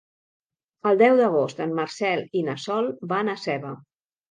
El deu d'agost en Marcel i na Sol van a Seva.